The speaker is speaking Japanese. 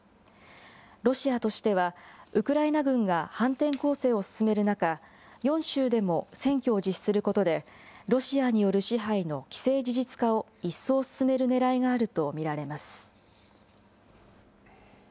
ロシアとしては、ウクライナ軍が反転攻勢を進める中、４州でも選挙を実施することで、ロシアによる支配の既成事実化を一層進めるねらいがあると見られます。